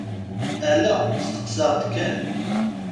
Ala steqsaɣ-d kan.